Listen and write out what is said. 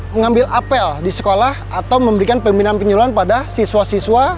mengambil apel di sekolah atau memberikan pembinaan penyuluhan pada siswa siswa